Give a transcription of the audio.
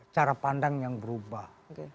cara pandang yang berubah